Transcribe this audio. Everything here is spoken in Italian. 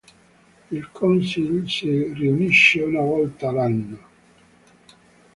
Il Council si riunisce una volta l'anno.